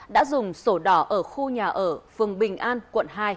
đã dùng sổ đỏ ở khu nhà ở phường bình an quận hai